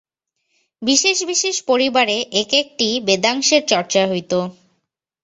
বিশেষ বিশেষ পরিবারে এক একটি বেদাংশের চর্চা হইত।